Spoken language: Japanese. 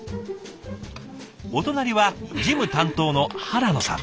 お隣は事務担当の原野さん。